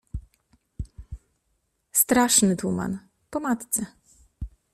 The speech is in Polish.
Straszny tuman. Po matce.